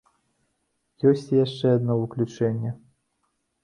Ёсць і яшчэ адно выключэнне.